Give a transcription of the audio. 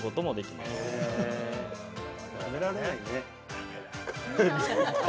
なめられないね。